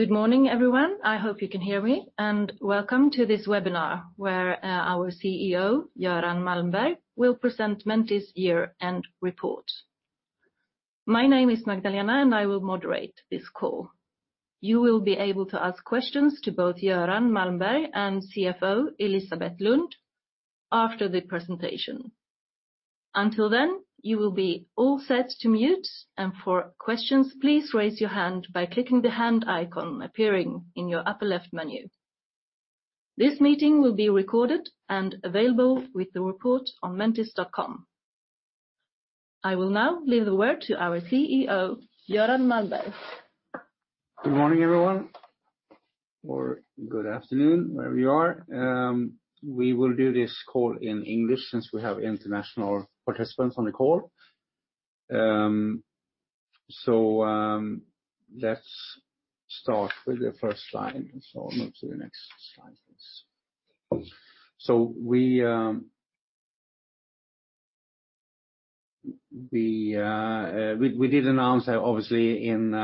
Good morning, everyone. I hope you can hear me. Welcome to this webinar where our CEO, Göran Malmberg, will present Mentice year-end report. My name is Magdalena. I will moderate this call. You will be able to ask questions to both Göran Malmberg and CFO Elisabet Lund after the presentation. Until then, you will be all set to mute. For questions, please raise your hand by clicking the hand icon appearing in your upper left menu. This meeting will be recorded and available with the report on mentice.com. I will now leave the word to our CEO, Göran Malmberg. Good morning, everyone, or good afternoon, wherever you are. We will do this call in English since we have international participants on the call. Let's start with the first slide. I'll move to the next slide, please. We did announce obviously in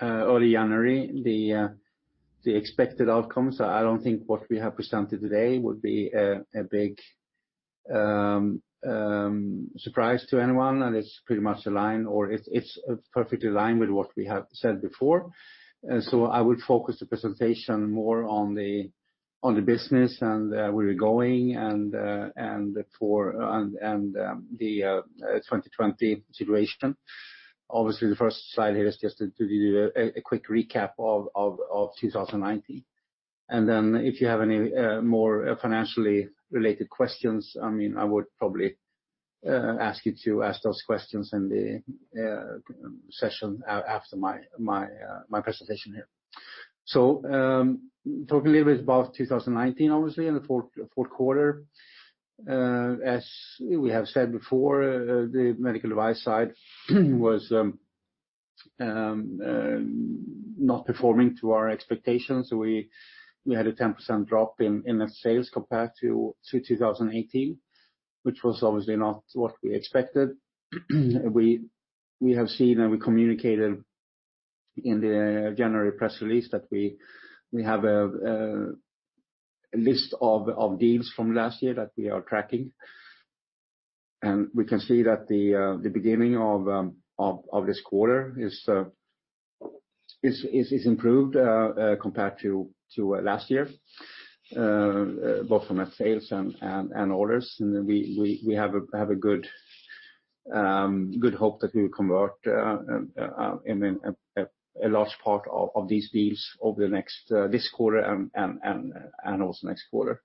early January the expected outcome. I don't think what we have presented today would be a big surprise to anyone, and it's perfectly aligned with what we have said before. I would focus the presentation more on the business and where we're going and the 2020 situation. Obviously, the first slide here is just to do a quick recap of 2019. If you have any more financially related questions, I would probably ask you to ask those questions in the session after my presentation here. Talking a little bit about 2019, obviously, and the fourth quarter. As we have said before, the medical device side was not performing to our expectations. We had a 10% drop in net sales compared to 2018, which was obviously not what we expected. We have seen and we communicated in the January press release that we have a list of deals from last year that we are tracking. We can see that the beginning of this quarter is improved compared to last year, both from net sales and orders. We have a good hope that we will convert a large part of these deals over this quarter and also next quarter.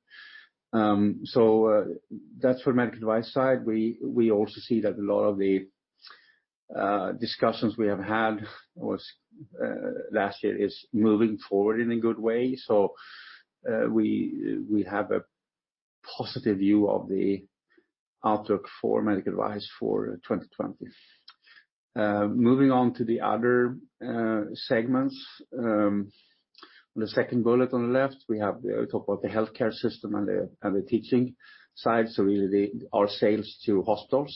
That's for medical device side. We also see that a lot of the discussions we have had was last year is moving forward in a good way. We have a positive view of the outlook for medical device for 2020. Moving on to the other segments. The second bullet on the left, we talk about the healthcare system and the teaching side. Really our sales to hospitals,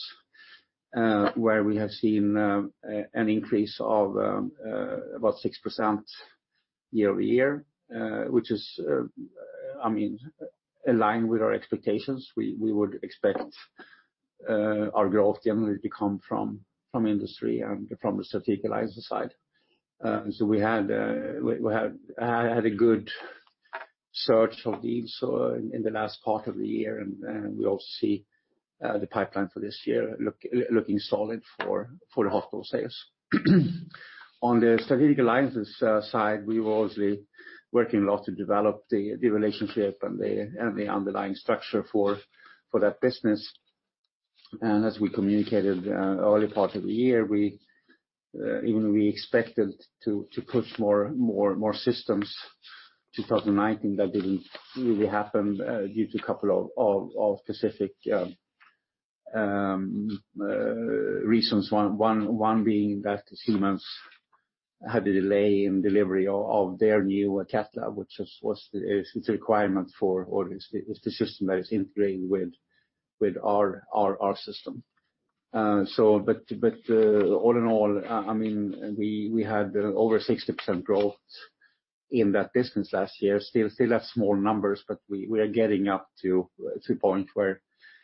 where we have seen an increase of about 6% year-over-year, which is aligned with our expectations. We would expect our growth generally to come from industry and from the strategic alliance side. We had a good search for deals in the last part of the year, and we also see the pipeline for this year looking solid for hospital sales. On the strategic alliances side, we were obviously working a lot to develop the relationship and the underlying structure for that business. As we communicated early part of the year, even we expected to push more systems 2019. That didn't really happen due to a couple of specific reasons, one being that Siemens had a delay in delivery of their new Cath Lab, which is a requirement for orders. It's the system that is integrated with our system. All in all, we had over 60% growth in that business last year. Still have small numbers, but we are getting up to a point where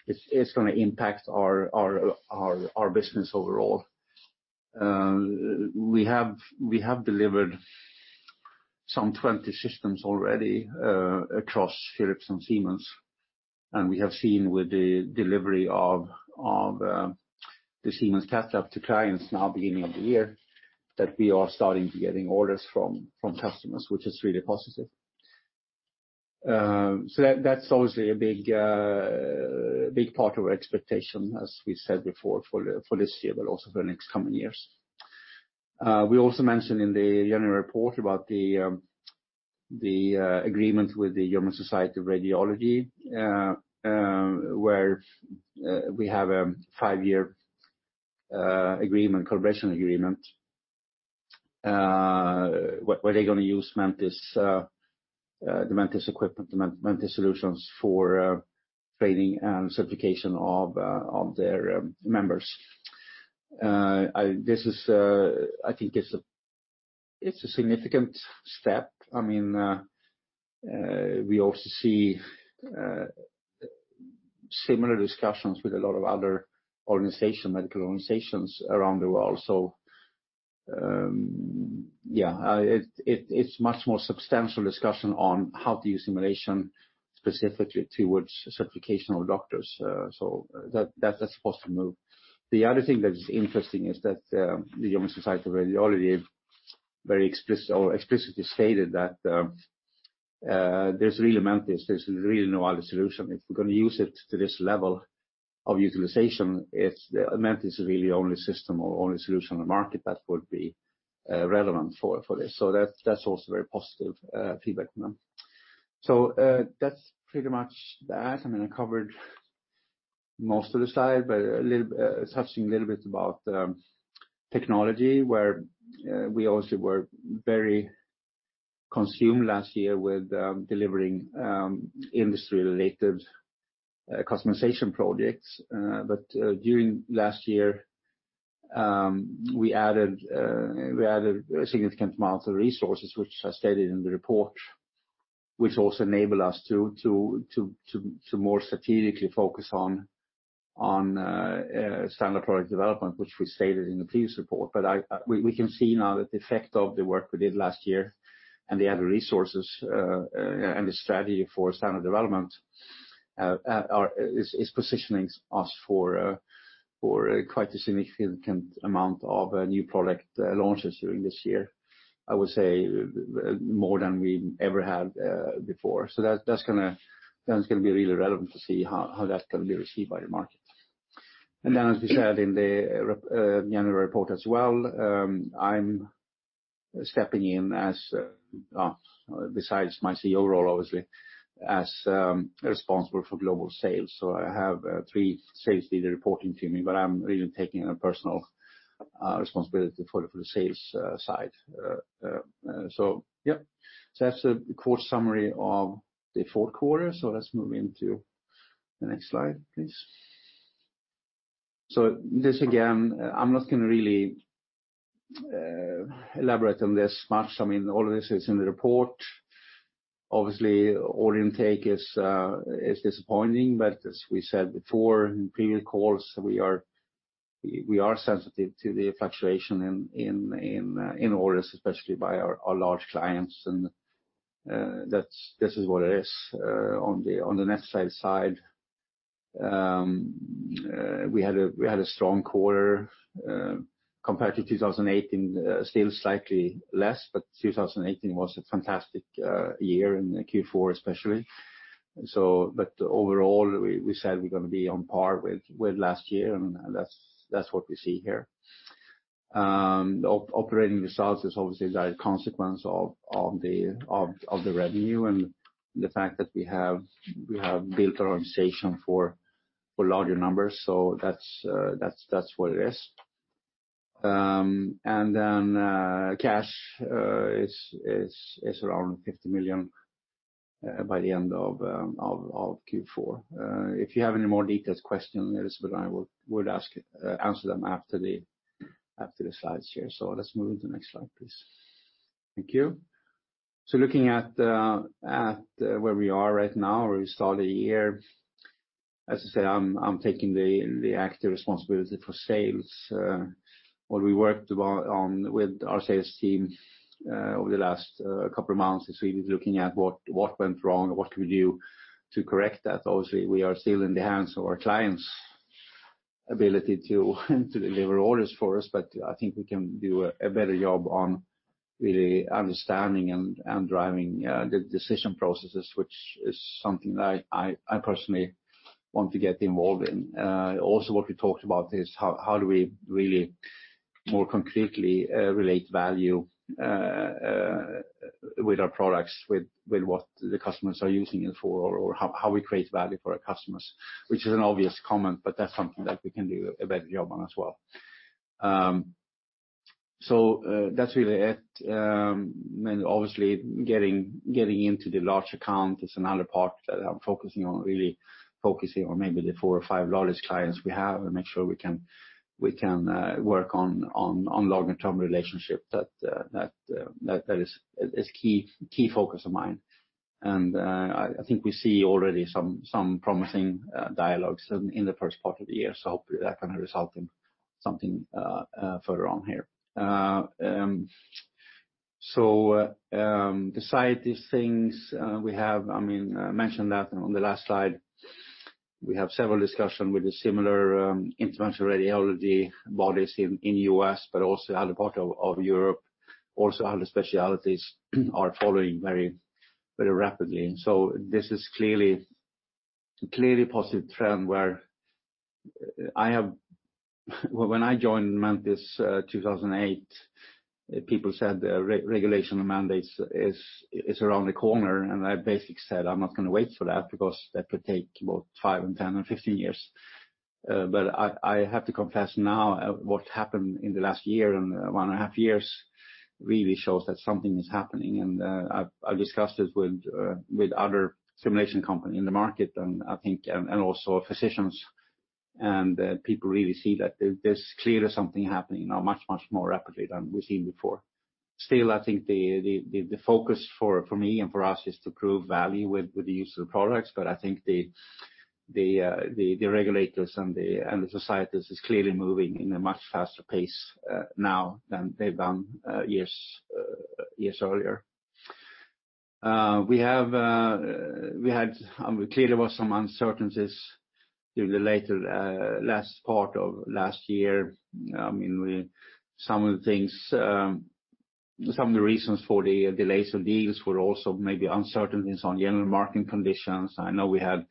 it's going to impact our business overall. We have delivered some 20 systems already across Philips and Siemens, and we have seen with the delivery of the Siemens Cath Lab to clients now beginning of the year that we are starting to getting orders from customers, which is really positive. That's obviously a big part of our expectation, as we said before, for this year, but also for next coming years. We also mentioned in the annual report about the agreement with the German Radiological Society, where we have a five-year collaboration agreement. Where they're going to use the Mentice equipment, the Mentice solutions for training and certification of their members. I think it's a significant step. We also see similar discussions with a lot of other medical organizations around the world. Yeah. It's much more substantial discussion on how to use simulation specifically towards certification of doctors. That's a positive move. The other thing that is interesting is that the German Radiological Society very explicitly stated that there's really Mentice, there's really no other solution. If we're going to use it to this level of utilization, Mentice is really the only system or only solution on the market that would be relevant for this. That's also very positive feedback from them. That's pretty much that. I covered most of the slide, touching a little bit about technology, where we also were very consumed last year with delivering industry-related customization projects. During last year, we added a significant amount of resources, which are stated in the report, which also enabled us to more strategically focus on standard product development, which we stated in the previous report. We can see now that the effect of the work we did last year and the added resources, and the strategy for standard development, is positioning us for quite a significant amount of new product launches during this year. I would say more than we ever had before. That's going to be really relevant to see how that's going to be received by the market. Then, as we said in the January report as well, I'm stepping in, besides my CEO role, obviously, as responsible for global sales. I have three sales leaders reporting to me, but I'm really taking a personal responsibility for the sales side. Yeah. That's a core summary of the fourth quarter. Let's move into the next slide, please. This, again, I'm not going to really elaborate on this much. All of this is in the report. Obviously, order intake is disappointing, but as we said before in previous calls, we are sensitive to the fluctuation in orders, especially by our large clients. This is what it is. On the net sales side, we had a strong quarter. Compared to 2018, still slightly less, but 2018 was a fantastic year in Q4 especially. Overall, we said we're going to be on par with last year, and that's what we see here. Operating results is obviously a direct consequence of the revenue and the fact that we have built our organization for larger numbers. That's what it is. Cash is around 50 million by the end of Q4. If you have any more detailed questions, Elisabet and I would answer them after the slides here. Let's move to the next slide, please. Thank you. Looking at where we are right now, where we start the year, as I said, I'm taking the active responsibility for sales. What we worked on with our sales team over the last couple of months is really looking at what went wrong and what can we do to correct that. Obviously, we are still in the hands of our clients' ability to deliver orders for us, but I think we can do a better job on really understanding and driving the decision processes, which is something that I personally want to get involved in. Also what we talked about is how do we really more concretely relate value with our products, with what the customers are using it for, or how we create value for our customers. Which is an obvious comment, but that's something that we can do a better job on as well. That's really it. Obviously, getting into the large accounts is another part that I'm focusing on, really focusing on maybe the four or five largest clients we have and make sure we can work on long-term relationship. That is a key focus of mine. I think we see already some promising dialogues in the first part of the year. Hopefully that can result in something further on here. Beside these things, I mentioned that on the last slide, we have several discussion with the similar interventional radiology bodies in U.S., but also other part of Europe. Also other specialties are following very rapidly. This is clearly a positive trend where when I joined Mentice 2008, people said the regulation mandates is around the corner, and I basically said, "I'm not going to wait for that because that could take about five and 10 and 15 years." I have to confess now, what happened in the last year and one and a half years really shows that something is happening. I've discussed this with other simulation companies in the market, also physicians, and people really see that there's clearly something happening now much, much more rapidly than we've seen before. Still, I think the focus for me and for us is to prove value with the use of the products. I think the regulators and the societies is clearly moving in a much faster pace now than they've done years earlier. We had, clearly, some uncertainties during the later last part of last year. Some of the reasons for the delays of deals were also maybe uncertainties on general marketing conditions. I know we had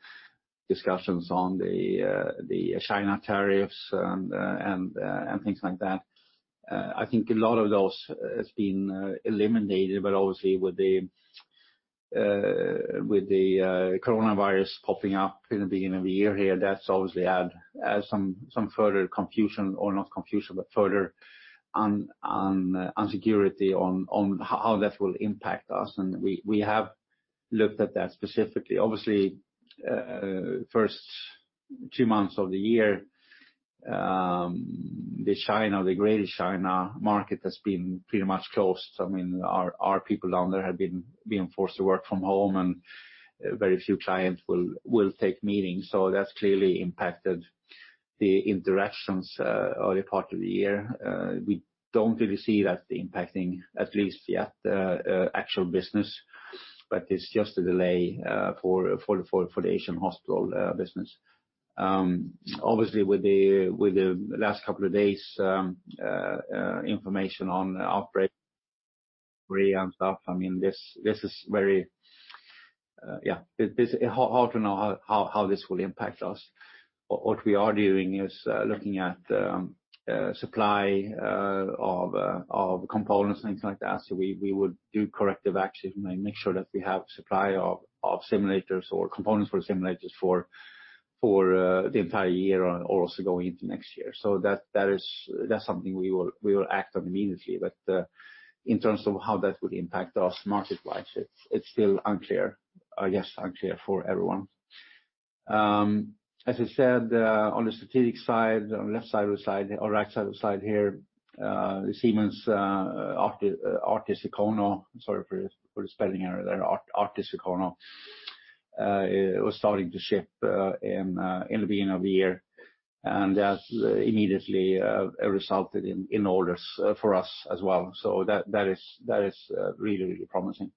discussions on the China tariffs and things like that. I think a lot of those has been eliminated, obviously with the coronavirus popping up in the beginning of the year here, that's obviously add some further confusion, or not confusion, but further insecurity on how that will impact us. We have looked at that specifically. Obviously, first two months of the year, the greater China market has been pretty much closed. Our people down there have been forced to work from home, very few clients will take meetings. That's clearly impacted the interactions, early part of the year. We don't really see that impacting, at least yet, actual business. It's just a delay for the Asian hospital business. Obviously, with the last couple of days, information on outbreak three and stuff, it's hard to know how this will impact us. What we are doing is looking at supply of components and things like that. We would do corrective action and make sure that we have supply of simulators or components for simulators for the entire year or also going into next year. That's something we will act on immediately. In terms of how that would impact us market-wise, it's still unclear. I guess, unclear for everyone. As I said, on the strategic side, on left side of the slide or right side of the slide here, the Siemens ARTIS icono, sorry for the spelling error there, ARTIS icono, was starting to ship in the beginning of the year. That immediately resulted in orders for us as well. That is really promising.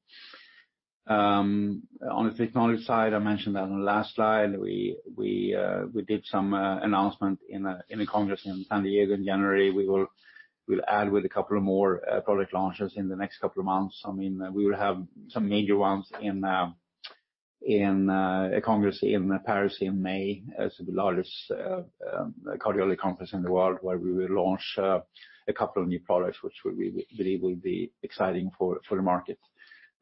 On the technology side, I mentioned that on the last slide, we did some announcement in a congress in San Diego in January. We'll add with a couple of more product launches in the next couple of months. We will have some major ones in a congress in Paris in May. It's the largest cardiology conference in the world, where we will launch a couple of new products, which we believe will be exciting for the market.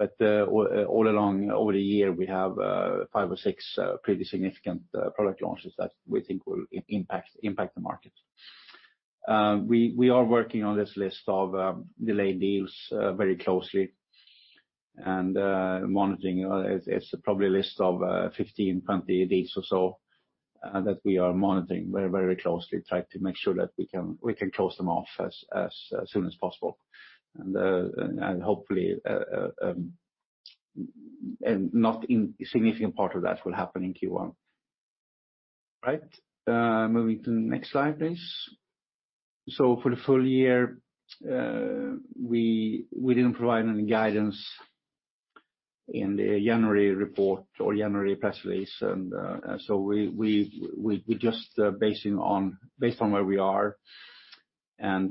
all along, over the year, we have five or six pretty significant product launches that we think will impact the market. We are working on this list of delayed deals very closely and monitoring. It's probably a list of 15, 20 deals or so that we are monitoring very closely, trying to make sure that we can close them off as soon as possible. hopefully, and not in significant part of that will happen in Q1. Right. Moving to the next slide, please. for the full year, we didn't provide any guidance in the January report or January press release. We just based on where we are and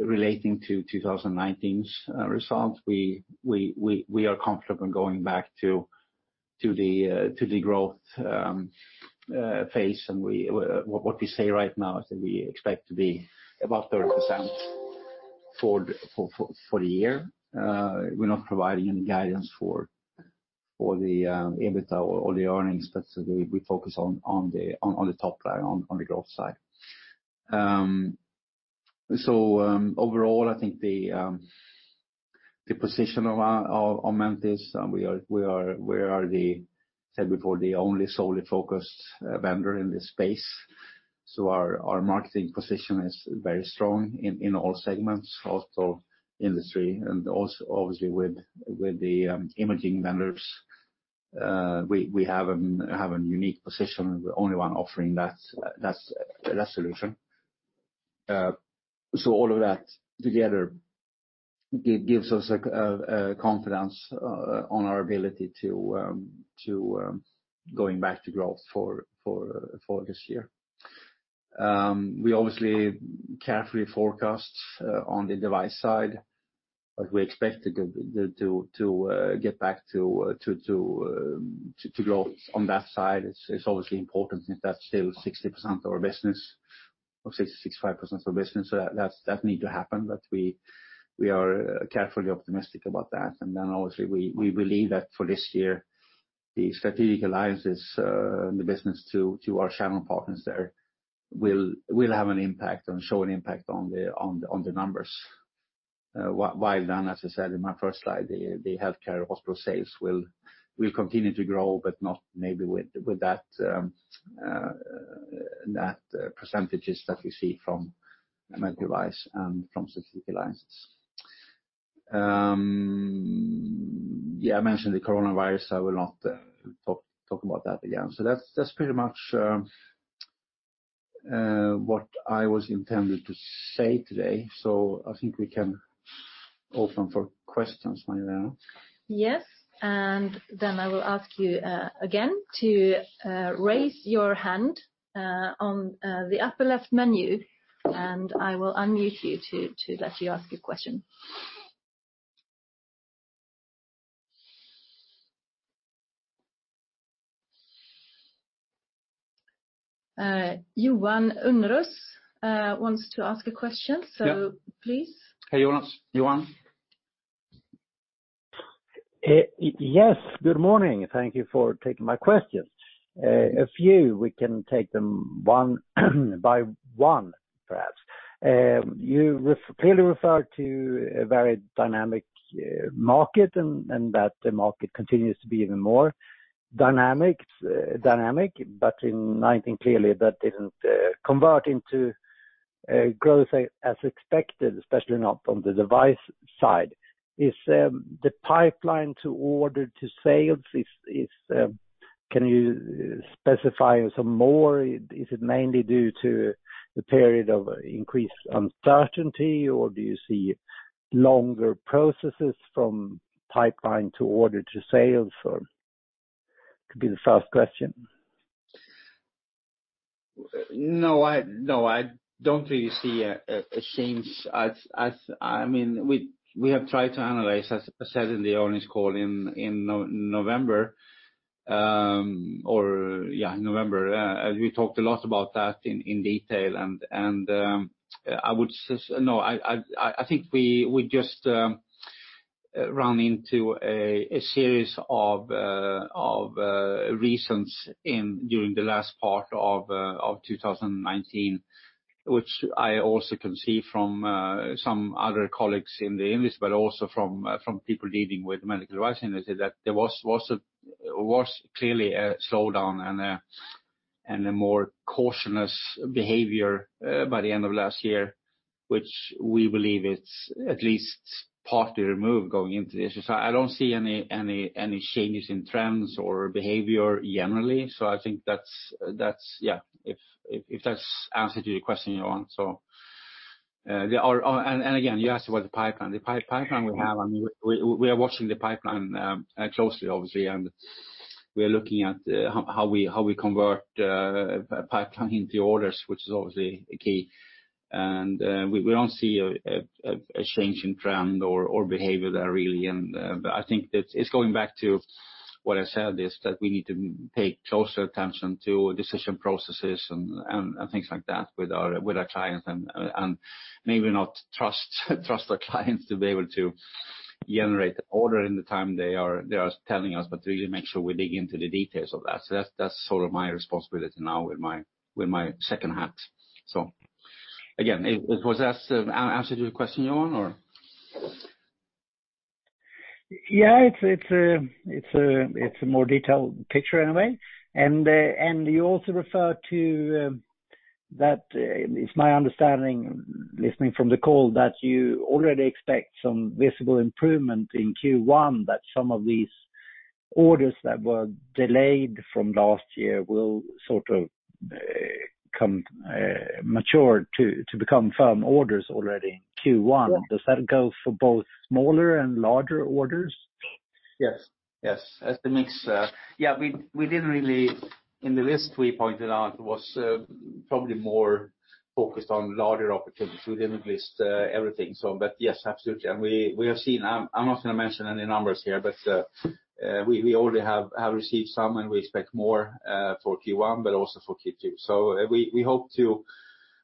relating to 2019's results, we are confident in going back to the growth phase. What we say right now is that we expect to be about 30% for the year. We're not providing any guidance for the EBITDA or the earnings, but we focus on the top line, on the growth side. Overall, I think the position of Mentice, we are the, said before, the only solely focused vendor in this space. Our marketing position is very strong in all segments, also industry, and also obviously with the imaging vendors, we have a unique position. We're the only one offering that solution. All of that together gives us a confidence on our ability to going back to growth for this year. We obviously carefully forecast on the device side, but we expect to get back to growth on that side. It's obviously important since that's still 60% of our business. Of 66.5% of business. That need to happen. We are carefully optimistic about that. Obviously, we believe that for this year, the strategic alliances in the business to our channel partners there will have an impact and show an impact on the numbers. As I said in my first slide, the healthcare hospital sales will continue to grow, but not maybe with that percentages that we see from medical device and from strategic alliances. Yeah, I mentioned the coronavirus. I will not talk about that again. That's pretty much what I was intended to say today. I think we can open for questions, Magdalena. Yes. Then I will ask you, again to raise your hand on the upper left menu, and I will unmute you to let you ask your question. Johan Unnérus wants to ask a question, so please. Hey, Johan. Yes. Good morning. Thank you for taking my questions. A few, we can take them one by one, perhaps. You clearly refer to a very dynamic market and that the market continues to be even more dynamic, but I think clearly that didn't convert into growth as expected, especially not on the device side. Is the pipeline to order to sales, can you specify some more? Is it mainly due to the period of increased uncertainty, or do you see longer processes from pipeline to order to sales, or? Could be the first question. No, I don't really see a change. We have tried to analyze, as I said in the earnings call in November. We talked a lot about that in detail. I think we just ran into a series of reasons during the last part of 2019, which I also can see from some other colleagues in the industry, but also from people dealing with medical device industry, that there was clearly a slowdown and a more cautious behavior by the end of last year, which we believe it's at least partly removed going into this. I don't see any changes in trends or behavior generally. I think that's. If that's answered your question, Johan? Again, you asked about the pipeline. The pipeline we have, we are watching the pipeline closely, obviously, and we are looking at how we convert pipeline into orders, which is obviously a key. We don't see a change in trend or behavior there, really. I think it's going back to what I said, is that we need to pay closer attention to decision processes and things like that with our clients, and maybe not trust our clients to be able to generate order in the time they are telling us, but really make sure we dig into the details of that. That's sort of my responsibility now with my second hat. Again, was that answered your question, Johan, or? Yeah, it's a more detailed picture in a way. You also refer to that, it's my understanding, listening from the call, that you already expect some visible improvement in Q1, that some of these orders that were delayed from last year will sort of mature to become firm orders already in Q1. Yeah. Does that go for both smaller and larger orders? Yes. That's the mix. Yeah, we didn't really In the list we pointed out was probably more focused on larger opportunities. We didn't list everything. Yes, absolutely. We have seen, I'm not going to mention any numbers here, but we already have received some, and we expect more for Q1, but also for Q2.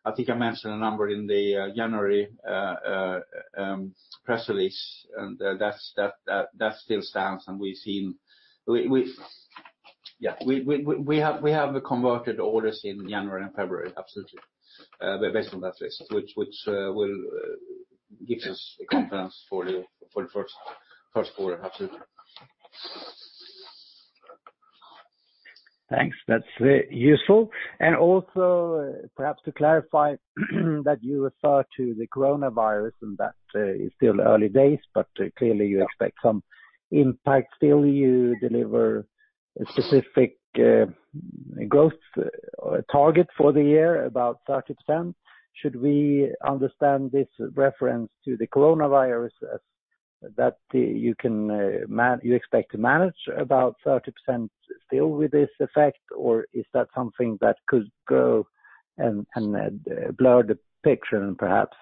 I think I mentioned a number in the January press release, and that still stands. We have the converted orders in January and February, absolutely. Based on that list, which will give us the confidence for the first quarter, absolutely. Thanks. That's useful. Also, perhaps to clarify that you refer to the coronavirus and that it's still early days, but clearly you expect some impact still. You deliver a specific growth target for the year, about 30%. Should we understand this reference to the coronavirus that you expect to manage about 30% still with this effect? Is that something that could go and blur the picture and perhaps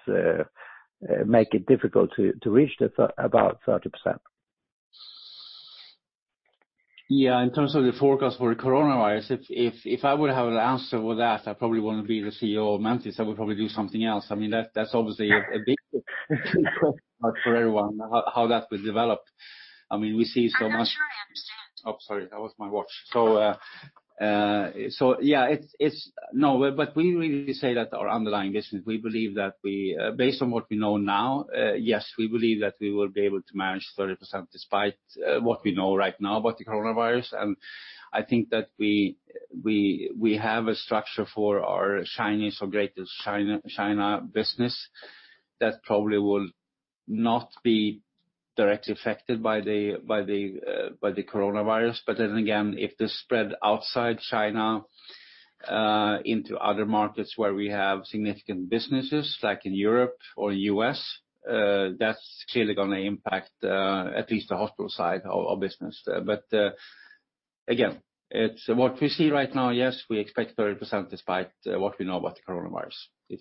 make it difficult to reach about 30%? Yeah, in terms of the forecast for coronavirus, if I would have an answer for that, I probably wouldn't be the CEO of Mentice. I would probably do something else. That's obviously a big question mark for everyone, how that will develop. Sorry. That was my watch. We really say that our underlying business, based on what we know now, yes, we believe that we will be able to manage 30% despite what we know right now about the coronavirus. I think that we have a structure for our Chinese or Greater China business that probably will not be directly affected by the coronavirus. Again, if this spread outside China into other markets where we have significant businesses, like in Europe or U.S., that's clearly going to impact at least the hospital side of our business there. Again, what we see right now, yes, we expect 30% despite what we know about the coronavirus.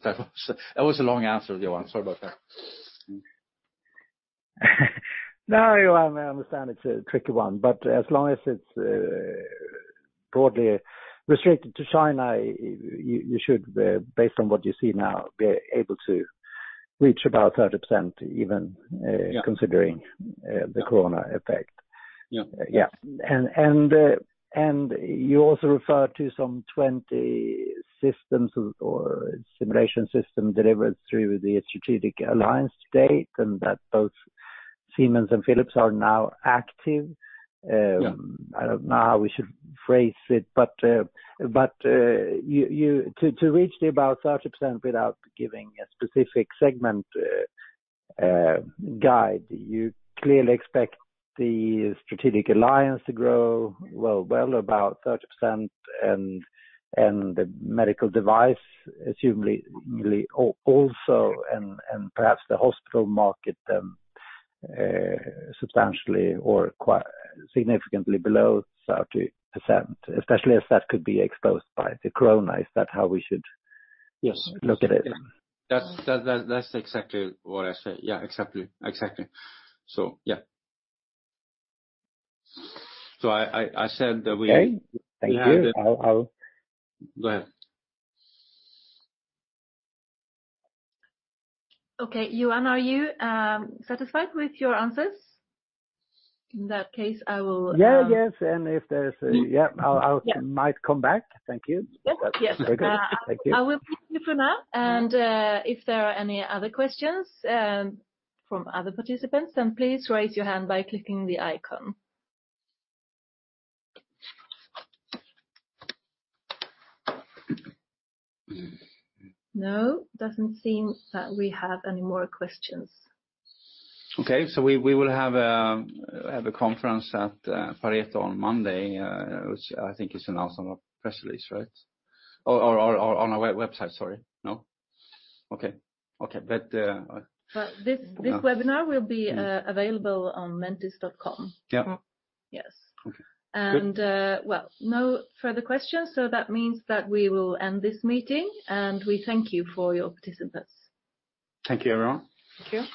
That was a long answer, Johan, sorry about that. No, I understand it's a tricky one, but as long as it's broadly restricted to China, you should, based on what you see now, be able to reach about 30% even considering the corona effect. Yeah. Yes. You also referred to some 20 systems or simulation system delivered through the strategic alliance to date, and that both Siemens and Philips are now active. Yeah. I don't know how we should phrase it, but to reach the about 30% without giving a specific segment guide, you clearly expect the strategic alliance to grow, well about 30% and the medical device assumingly also, and perhaps the hospital market substantially or significantly below 30%, especially as that could be exposed by the corona. Is that how we should- Yes look at it? That's exactly what I said. Yeah, exactly. Yeah. I said that. Okay. Thank you. Go ahead. Okay. Johan, are you satisfied with your answers? In that case, I will- Yeah. I might come back. Thank you. Yes. Okay. Great. Thank you. I will proceed for now, and if there are any other questions from other participants, then please raise your hand by clicking the icon. No, doesn't seem that we have any more questions. Okay, we will have a conference at Pareto on Monday, which I think is announced on our press release, right? Or on our website, sorry. No? Okay. This webinar will be available on mentice.com. Yeah. Yes. Okay, good. Well, no further questions, so that means that we will end this meeting, and we thank you for your participants. Thank you, everyone. Thank you.